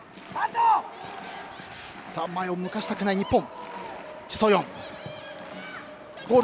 前を向かしたくない日本。